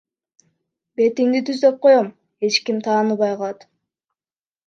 Бетиңди түздөп коём, эч ким тааныбай калат.